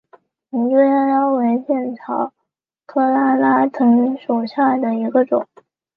林猪殃殃为茜草科拉拉藤属下的一个种。